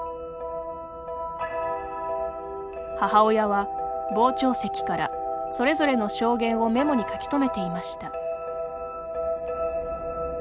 母親は、傍聴席からそれぞれの証言をメモに書き留めていました。